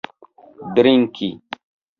drinki